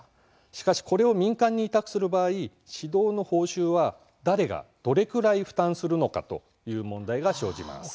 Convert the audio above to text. しかしこれを民間に委託する場合指導の報酬は、誰がどれくらい負担するのかという問題が生じます。